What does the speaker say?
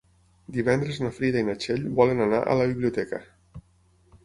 Divendres na Frida i na Txell volen anar a la biblioteca.